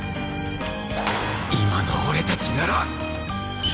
今の俺たちなら